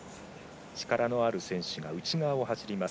力のある選手が内側を走ります。